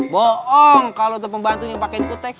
boong kalo tuh pembantu yang pake kutek